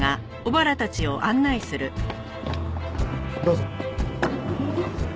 どうぞ。